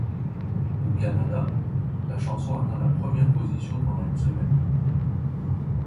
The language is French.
Au Canada, la chanson atteint la première position pendant une semaine.